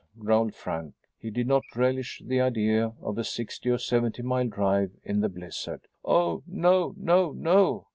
growled Frank. He did not relish the idea of a sixty or seventy mile drive in the blizzard. "Oh no no no!"